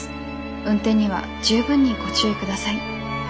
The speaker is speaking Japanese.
運転には十分にご注意ください。